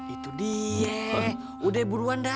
itu dia udah buruan dah